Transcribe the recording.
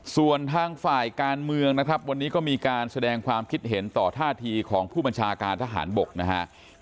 ส่วนทางฝ่ายการเมืองนะครับวันนี้ก็มีการแสดงความคิดเห็นต่อท่าทีของผู้บัญชาการทหารบกนะฮะ